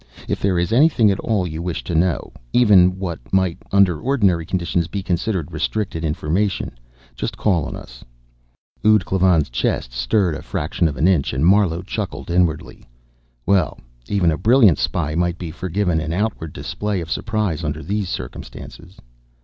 If there is anything at all you wish to know even what might, under ordinary conditions, be considered restricted information just call on us." Ud Klavan's crest stirred a fraction of an inch, and Marlowe chuckled inwardly. Well, even a brilliant spy might be forgiven an outward display of surprise under these circumstances.